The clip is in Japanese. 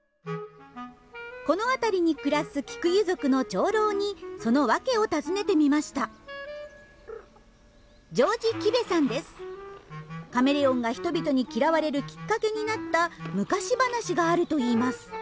この辺りに暮らすキクユ族の長老にその訳を尋ねてみましたカメレオンが人々に嫌われるきっかけになった昔話があるといいます